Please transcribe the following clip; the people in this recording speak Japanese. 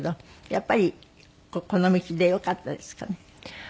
やっぱりこの道でよかったですかね？